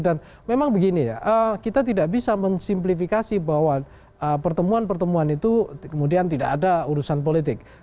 dan memang begini ya kita tidak bisa mensimplifikasi bahwa pertemuan pertemuan itu kemudian tidak ada urusan politik